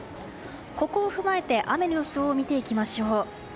ここを踏まえて雨の予想を見ていきましょう。